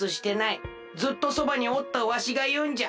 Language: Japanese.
ずっとそばにおったわしがいうんじゃ。